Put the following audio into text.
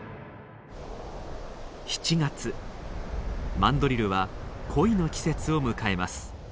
マンドリルは恋の季節を迎えます。